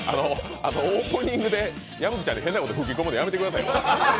オープニングで矢吹ちゃんに変なこと吹き込むのやめてよ。